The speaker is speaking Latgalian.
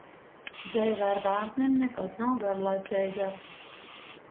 Dzeive ar bārnim nikod nav garlaiceiga.